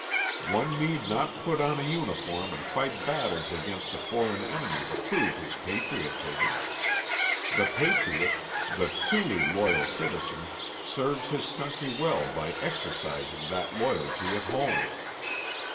One need not put on a uniform and fight battles against a foreign enemy to prove his patriotism. The patriot the truly loyal citizen serves his country well by exercising that loyalty at home.